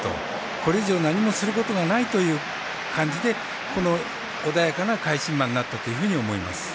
これ以上何もすることがないという感じでこの穏やかな返し馬になったというふうに思います。